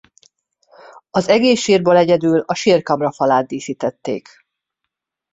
Az egész sírból egyedül a sírkamra falát díszítették.